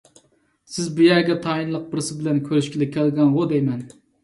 سىز بۇ يەرگە تايىنلىق بىرسى بىلەن كۆرۈشكىلى كەلگەنغۇ دەيمەن؟